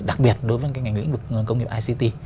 đặc biệt đối với cái ngành lĩnh vực công nghiệp ict